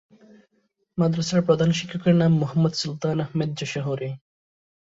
মাদ্রাসার প্রধান শিক্ষকের নাম মোহাম্মদ সুলতান আহমেদ যশোহরী।